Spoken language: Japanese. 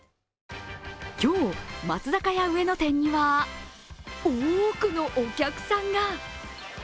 今日、松坂屋上野店には多くのお客さんが。